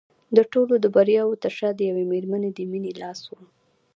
د ټولو د بریاوو تر شا د یوې مېرمنې د مینې لاس و